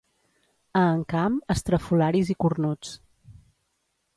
A Encamp, estrafolaris i cornuts.